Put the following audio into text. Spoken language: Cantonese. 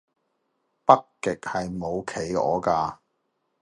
北極係冇企鵝架